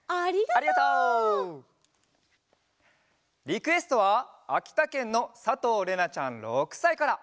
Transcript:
リクエストはあきたけんのさとうれなちゃん６さいから。